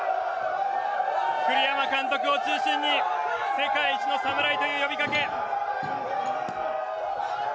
栗山監督を中心に世界一の侍という呼びかけ。